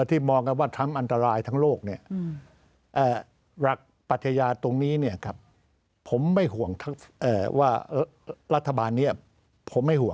ที่มองว่าทหารักทั้งอันตรายทั้งโลกรักปัญญาตรงนี้ผมไม่ห่วงราธบาลนี้